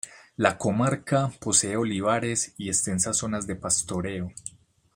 La comarca posee olivares y extensas zonas de pastoreo.